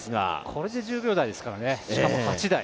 これで１０秒台ですからね、しかも８台。